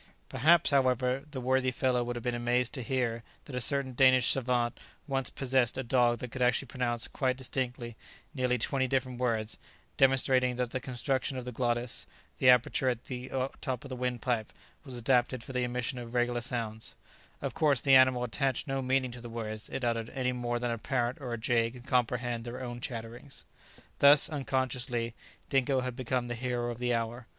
Perhaps, however, the worthy fellow would have been amazed to hear that a certain Danish savant once possesed a dog that could actually pronounce quite distinctly nearly twenty different words, demonstrating that the construction of the glottis, the aperture at the top of the windpipe, was adapted for the emission of regular sounds: of course the animal attached no meaning to the words it uttered any more than a parrot or a jay can comprehend their own chatterings. [Illustration: "This Dingo is nothing out of the way."] Thus, unconsciously, Dingo had become the hero of the hour.